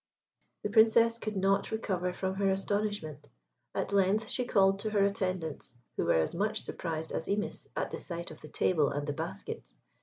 The Princess could not recover from her astonishment. At length she called to her attendants, who were as much surprised as Imis at the sight of the table and the baskets.